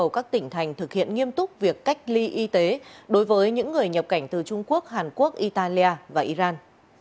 các tỉnh thành thực hiện nghiêm túc việc cách ly y tế đối với những người nhập cảnh từ trung quốc hàn quốc italia và iran